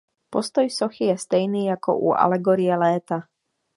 Postoj sochy je stejný jako u alegorie Léta.